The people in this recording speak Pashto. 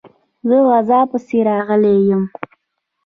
زه غزا پسي راغلی یم.